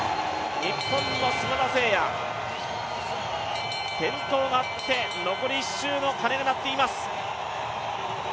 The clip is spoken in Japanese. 日本の砂田晟弥、転倒があって残り１周の鐘が鳴っています。